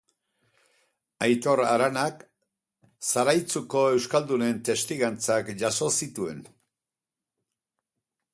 Aitor Aranak Zaraitzuko euskaldunen testigantzak jaso zituen.